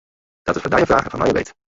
Dat is foar dy in fraach en foar my in weet.